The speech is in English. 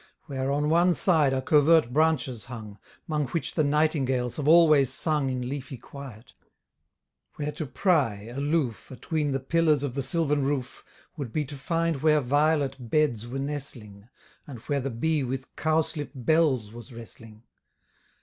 Where on one side are covert branches hung, 'Mong which the nightingales have always sung In leafy quiet; where to pry, aloof, Atween the pillars of the sylvan roof, Would be to find where violet beds were nestling, And where the bee with cowslip bells was wrestling.